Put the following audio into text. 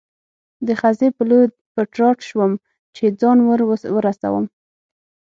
د خزې په لور په تراټ شوم، چې ځان ور ورسوم.